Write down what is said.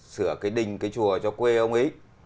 sửa cái đình cái chùa cho quê ông ấy